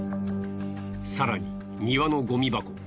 更に庭のゴミ箱。